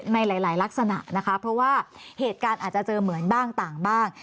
ในหลายลักษณะเพราะว่า๙๑๑เฮตกาลอาจจะเจอเหมือนบ้างต่างบ้าง